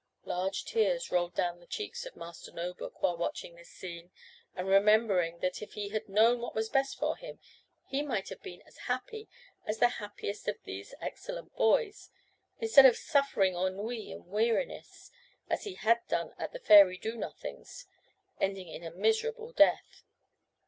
Large tears rolled down the cheeks of Master No book while watching this scene, and remembering that if he had known what was best for him, he might have been as happy as the happiest of these excellent boys, instead of suffering ennui and weariness, as he had done at the fairy Do nothing's, ending in a miserable death.